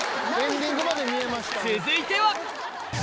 続いては！